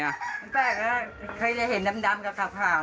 มันแปลกแล้วเคยเห็นดำกับขาว